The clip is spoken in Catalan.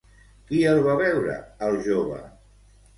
Qui el va veure al jove?